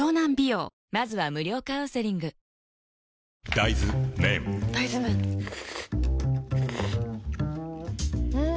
大豆麺ん？